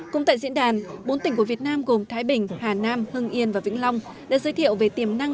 cũng tại diễn đàn bốn tỉnh của việt nam gồm thái bình hà nam hưng yên và vĩnh long đã giới thiệu về tiềm năng